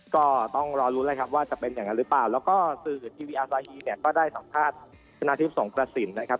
ก็ต้องรอรู้เลยครับว่าจะเป็นอย่างนั้นหรือเปล่าแล้วก็สื่อทีวิยาซาฮิก็ได้สังฆาตชนะธิพย์สงกระศิลป์นะครับ